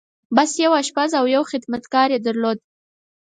بس! يو آشپز او يو خدمتګار يې درلود.